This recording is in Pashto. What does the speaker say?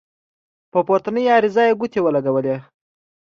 په پورتنۍ عریضه یې ګوتې ولګولې.